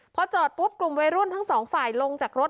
พอจอดปุ๊บกลุ่มวัยรุ่นทั้งสองฝ่ายลงจากรถ